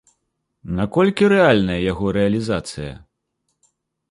Наколькі рэальная яго рэалізацыя?